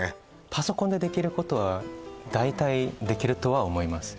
パソコンでできることは大体できるとは思います